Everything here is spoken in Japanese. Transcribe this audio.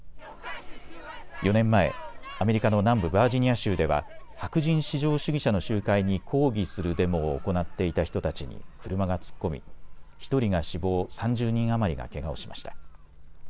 ４年前、アメリカの南部バージニア州では白人至上主義者の集会に抗議するデモを行っていた人たちに車が突っ込み１人が死亡、３０人余りがけがをしました。